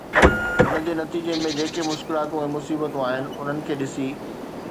ان جي نتيجي ۾ جيڪي مشڪلاتون ۽ مصيبتون آهن، انهن کي ڏسي